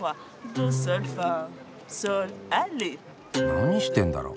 何してんだろう？